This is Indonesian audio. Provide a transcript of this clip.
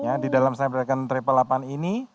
ya di dalam snapdragon delapan ratus delapan puluh delapan ini